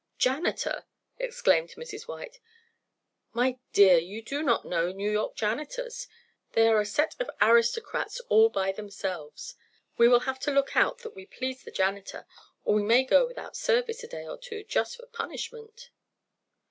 "Janitor!" exclaimed Mrs. White. "My dear, you do not know New York janitors! They are a set of aristocrats all by themselves. We will have to look out that we please the janitor, or we may go without service a day or two just for punishment."